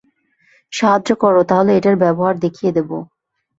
সাহায্য করো, তাহলে এটার ব্যবহার দেখিয়ে দেবো।